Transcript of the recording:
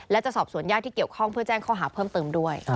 และจะสอบสวนญาติที่เกี่ยวข้องเพื่อแจ้งข้อหาเพิ่มเติมด้วย